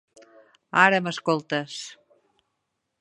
Ara m'escoltes.